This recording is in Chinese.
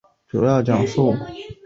内八景位于山庄内。